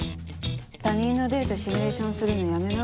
他人のデートシミュレーションするのやめな。